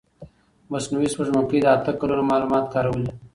مصنوعي سپوږمکۍ د اته کلونو معلومات کارولي.